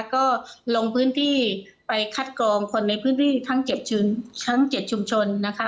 ก็ลงพื้นที่ไปคัดกรองคนในพื้นที่ทั้ง๗ชุมชนนะคะ